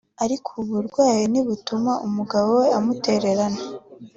ariko ubu burwayi ntibutuma umugabo we amutererana